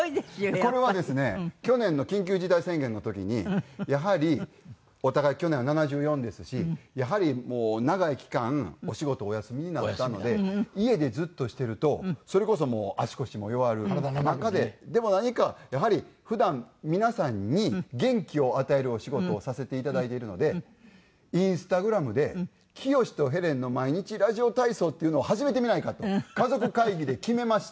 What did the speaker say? これはですね去年の緊急事態宣言の時にやはりお互い去年は７４ですしやはり長い期間お仕事をお休みになったので家でじっとしてるとそれこそもう足腰も弱る中ででも何かやはり普段皆さんに元気を与えるお仕事をさせていただいてるのでＩｎｓｔａｇｒａｍで「きよしとヘレンの毎日ラジオ体操」っていうのを始めてみないかと家族会議で決めまして。